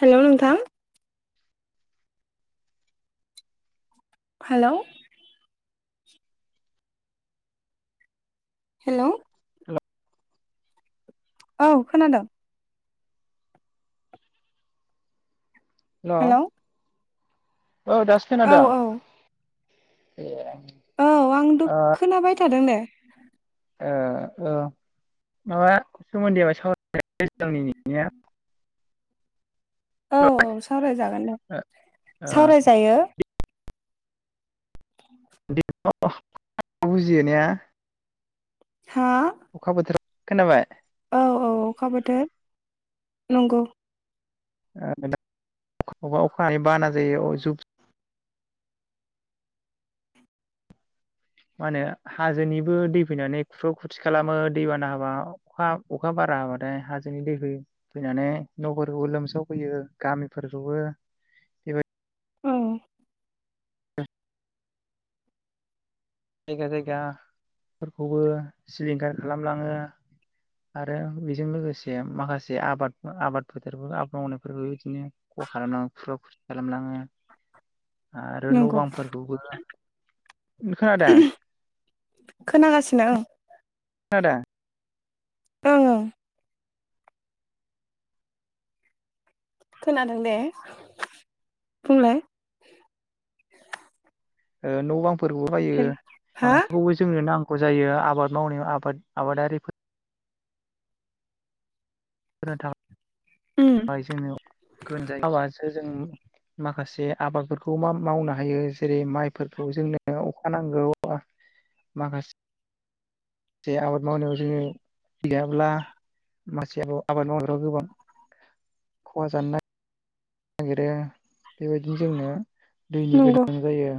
Hello नोंथां। Hello hello hello औ खोनादों। ना हेलौ औ दासो औ खोनादो औ एह औ आं द खोनाबाय थादों दे ओ औ माबा सोमोन्दै साव [unintelligible] सिगांनि [inaudible] या औ औ सावरायजागोन दे सावरायजायो [inaudible] बुजियो ने हा अखा बोथोर खोनाबाय औ औ अखा बोथोर नंगौ [unintelligible] अखानि बाना [unintelligible] जुब मा होनो हाजोनिबो दै फैनानै खुरखाव खुरसि खालामो दैबाना हाबा अखा अखा बारा हाबाथाय हाजोनि दैै फैनानै न'फोरखौबो लोमसाव फैयो गामिफोरखौबो बेबाय औ जायगा जायगाफोरखौबो सिलिंखार खालामलाङो आरो बेजों लोगोसे माखासे आबाद आबाद फोथारफोर आबाद मावनायफोरबो बिदिनो खहा खालामलाङो खुरखाव खुरसि खालामलाङो आरो न' नंगौ बांफोरखौबो ओम खोनागासिनो आं खोनादो ओं खोनादों दे बुंलाय ओ न' बां [unintelligible] हा जोंनो नां गौ जायो आबाद मावनायाव आबाद आबादारिफोद [unintelligible] उम जों [unintelligible] अखा हाबासो जों माखासे आबादफोरखौ मा मावनो हायो जेरै माइफोरखौ जोंनो अखा नांगौ माखासे आबाद मावनायाव जोङो गैयाब्ला मासे आबाद मावनायाव गोबां खहा जानो ना नायगेरो [unintelligible] बेबायदिनो जोंनो दैनि नंगौ गोनां जायो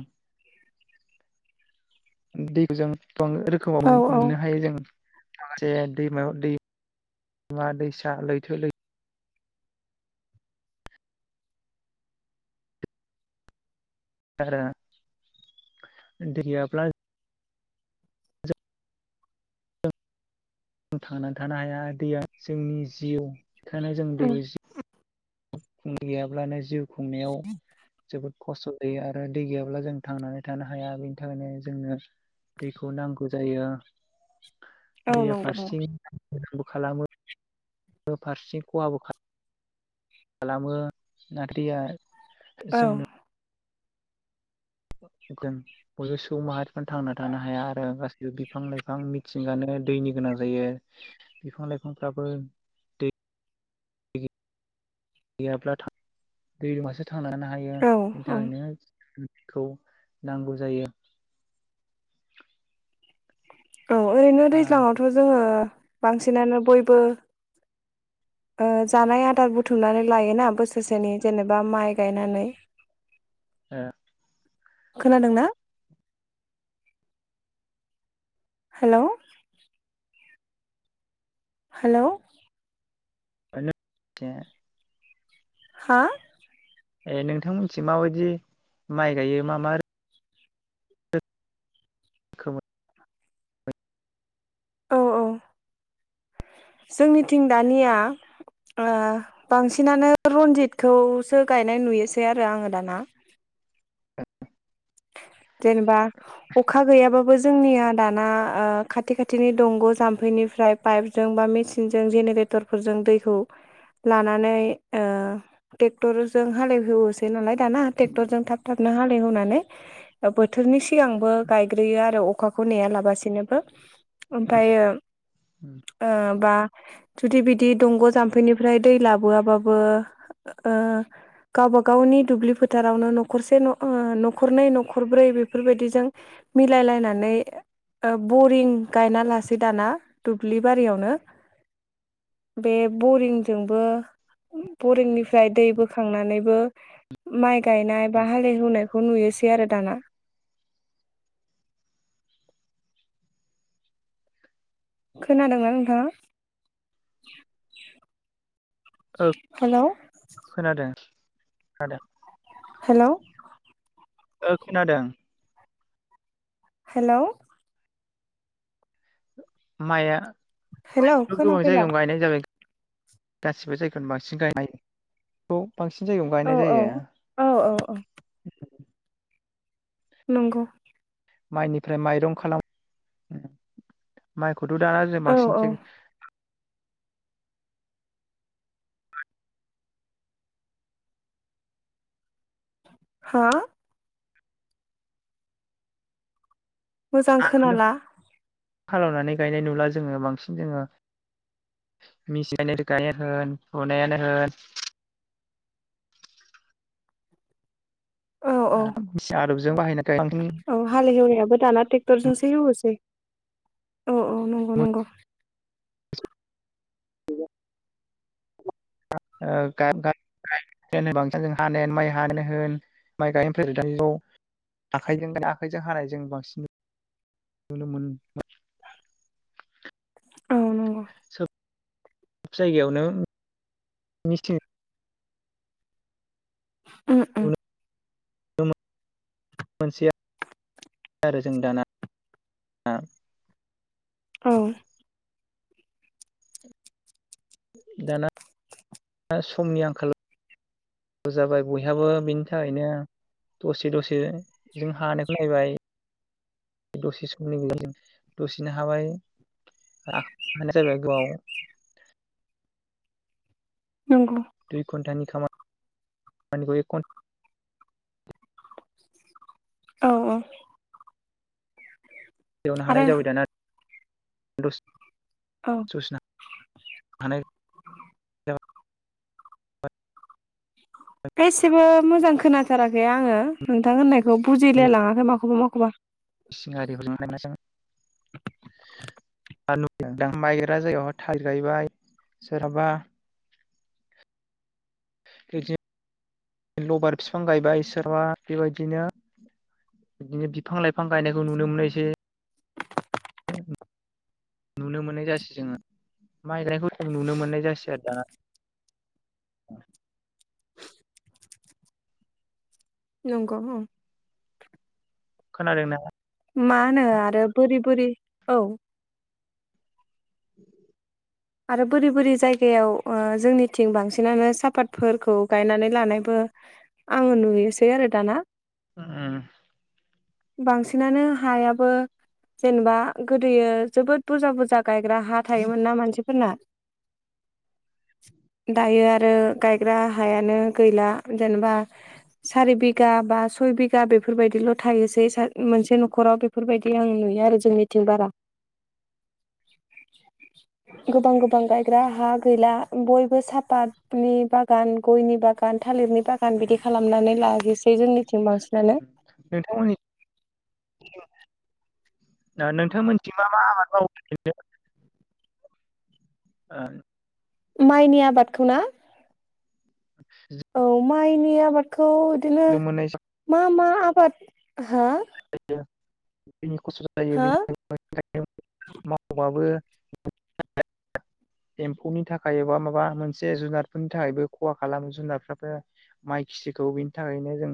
दैखौ जों बां रोखोमाव औ औ मोननो हायो जों खासे दैमायाव [unintelligible] दैसा लैथो लै आरो दै गैयाब्ला थांनानै थानो हाया दैया जोंनि जिउ खायनो जों उम दैखौ जि गैयाब्लानो जिउ खुंनायाव जोबोद। खस्थ' जायो आरो दै गैयाब्ला जों थांनानै थानो हाया। बेनि थाखायनो जोंनो दैखौ नांगौ जायो। औ दैया नंगौ नंगौ फारसेथिं मोजांबो खालामो फारसेथिं खहाबो खा- खालामो [unintelligible] औ जोंनो बयबो सुबुं माहारिफ्र थांना थानो हाया आरो गासैबो बिफां लाइफां मिथिंगानो दैनि गोनां जायो बिफां लाइफांफ्राबो दै [unintelligible] [unintelligible] हायो औ बिनि औ थाखायनो। खौ नांगौ जायो। औ ओरैनो आरो दैज्लाङावथ जोङो। बांसिनानो बयबो ओ जानाय आदार बुथुमनानै लायोना बोसोरसेनि जेनेबा माइ गायनानै ए खोनादों ना हेलौ हेलौ [unintelligible] हा ए नोंथांमोनथिं माबायदि माइ गायो मा मा रो खोमोद औ औ जोंनिथिं दानिया ओ बांसिनानो रन्जितखौसो गायनाय नुयोसै आरो आङो दाना। [unintelligible] जेनेबा अखा गैयाबा बो जोंनिया दाना ओ खाथि खाथिनि दंग जाम्फैनिफ्राय पाइपजों बा मेसिनजों जेनेरेटर फोरजों दैखौ लानानै ओ ट्रेक्टरजों हालेव होवोसै नालाय दाना टेक्टरजों थाब थाब ना हलेवहोनानै बोथोरनि सिगांबो गायग्रोयो आरो अखाखौ नेयालाबासिनोबो ओमफ्रायो ओ बा जुदि बिदि दंग जाम्फैनिफ्राय दै लाबोआबाबो ओ गावबा गावनि दुब्लि फोथारावनो नखरसे न ओ नखरनै न नखरब्रै बेफोरबायदिजों मिलायलायनानै ओ बरिं गायना लासै दाना दुब्लि बारियावनो बे बरिंजोंबो बरिंनिफ्राय दै बोखांनानैबो माइ गायनाय बा हालेवहोनायखौ नुयोसै आरो दाना खोनादोंना नोंथाङा औ हेलौ खोनादों खोनादों। हेलौ ओ खोनादों हेलौ माया हेलौ माइखौथ गोबां खोनाफैला जायगायाव गायनाय जागोन गासिबो जायगायावनो बांसिन गायनायखौ बांसिन जायगायावनो औ गायनाय औ जायो। औ औ औ नंगौ। माइनिफ्राय माइरं खालाम मो खौथ दा जों औ बांसिन औ थे हा? मोजां खोनाला। हालौनानै गायनाय नुला जोङो बांसिन जोङो मेसि गाय गायानो होन हुनायानो होन औ औ आदबजों बाहायना बांसिन औ हालेवहोनायाबो दाना ट्रेक्टरजोंसो एवहोसै। औ औ नंगौ नंगौ। [unintelligible] औ नंगौ [unintelligible] जायगायावनो मेसिन। उम उम। [unintelligible] आरो जों दाना [unintelligible] औ। दाना समनि आंखाल जाबाय बयहाबो बिनि थाखायनो दसे दसे जों हानायखौ नायबाय। [unintelligible] दसेनो हाबाय [unintelligible] नंगौ। दुइ घन्टानि खामानिखौ एक कन औ औ एवनो हानाय आरो जाबाय दाना। [unintelligible] औ [unintelligible] [unintelligible] एसेबो मोजां खोनाथाराखै आङो नोंथां होननाय खौ बुजिलाय लाङाखै माखौ माखौबा [unintelligible] [unintelligible] सोरहाबा। बिदिनो लबार बिफां गायबाय सोरबा बेबायदिनो बिदिनो बिफां लाइफां गायनायखौ नुनो मोनायसै। नुनो मोननाय जासै जोङो माइ गानायखौ जों खम नुनो मोननाय जासै आरो दाना। नंगौ ओं। खोनादोंना? मानो आरो बोरि बोरि औ। [inaudible] आरो बोरि बोरि जायगायाव ओ जोंनिथिं बांसिनानो सापातफोरखौ गायनानै लानायबो आङो नुयोसै आरो दाना। उम। बांसिनानो हायाबो जेनेबा गोदोयो जोबोद बुरजा बुरजा गायग्रा हा थायोमोन ना मानसि फोरना दायो आरो गायग्रा हायानो गैला जेनेबा सारि बिघा बा सय बिघा बेफोरबायदिल' थायोसै मोनसे न'खराव बेफोरबायदि आं नुयो आरो जोंनिथिं बारा। गोबां गोबां गायग्रा हा गैला बयबो सापाटनि बागान गयनि बागान थालिरनि बागान बिदि खालामनानै लाजोबसै जोंनिथिं बांसिनानो। दा नोंथांमोनथिं मा मा आबाद मावो ओरैनो? ओ माइनि आबादखौ ना? औ माइनि [inaudible] थ बिदिनो नुनो मोननाय मा मा [inaudible] हा [inaudible] नि खस्थ' जायो हा बेनि थाखाय [inaudible] मावबाबो [inaudible] एम्फौनि थाखाय एबा माबा मोनसे जुनारफोरनि थाखायबो ख'हा खालामो जुनारफ्राबो माइ खिथिखौ बेनि थाखायनो जों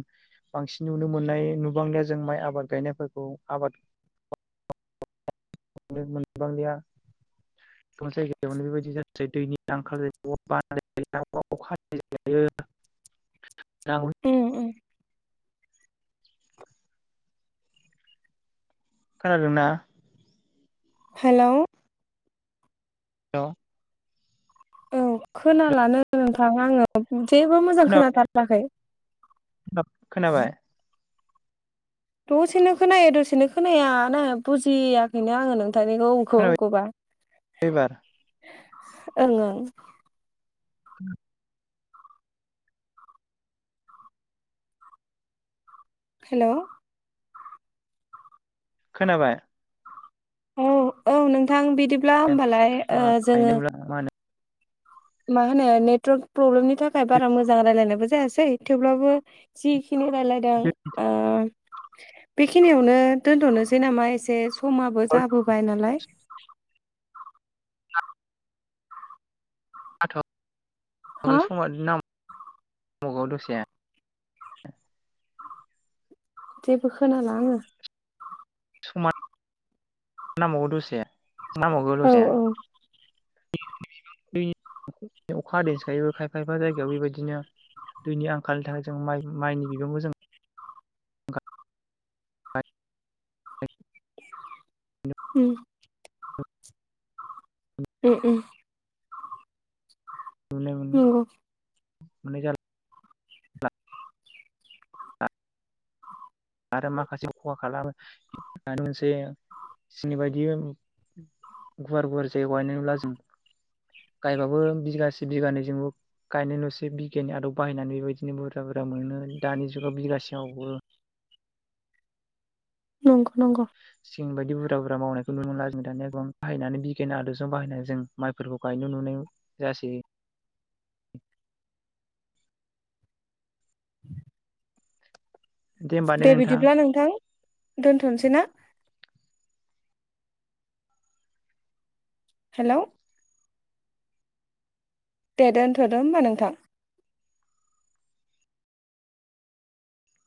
बांसिन नुनो मोननाय नुबांलिया जों माइ आबाद गायनायफोरखौ आबाद मोनबांलिया द जायगायाव बेबायदि जै दैनि आंखाल उम [unintelligible] [inaudible] उम खानादों ना? हेल' [inaudible] औ खोनालानो नोंथां आंङो जेबो मोजां खोनाबाय खोनाथाराखै [inaudible] खोनाबाय। दसेनो खोनायो दसेनो खोनाया ना‌ बुजियाखैनो आङो नों थांनिखौ खौ खोनाबाय गबा एबार ओं ओं [inaudible] हेल' खोनाबाय? औ औ नोंथां बि बिदिब्ला होमबालाय मा ओ जोङो होनो मा होनो नेटवार्क प्रब्लेमनि थाखाय बारा मोजां रायलायनायबो जायासै थेवब्लाबो जि खिनि रायलायदों ओ बेखिनियावनो दोनथ'नोसै नामा एसे समाबो जाबोबाय नालाय। हा बागै समा नाम मुगाव दसे जेबो खोनाला आङो नांबाव गौ दसे नांबावगौ औ दसे दै अखा हादैैनि सायावबो खायफा खायफा जायगायाव बेबायदिनो दैनि आंखालनि थाखाय जों माइ माइनि बिबांबो जों उम उम उम नंगौ। माने जार आरो माखासे खहा खालामो मोनसे जोंनि बायदि गुवार गुवार जायगायाव गायनाय नुला जों गायबाबो बिगासे बिगानैजोंबो गायनाय नुसै बिगियान नि आदब बाहायनानै बे बायदिनो बुरजा बुरजा मोनो दानि जुगाव बिगासेयावबो नंगौ नंगौ जों बायदि बुरजा बुरजा मावनायखौ नुनो मोनला जों दानिया बाहायनानै बिगियान आदबजों बाहायनानै जों माइफोरखौ गायनो नुनो जासै [inaudible] दे बिदिब्ला नोंथां दोनथ'नोसै ना हेल' दे दोनथ'दो होमबा नोंथां।